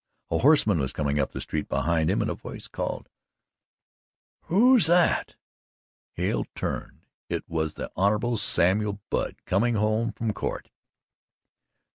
A horseman was coming up the street behind him and a voice called: "Who's that?" Hale turned it was the Honourable Samuel Budd, coming home from Court.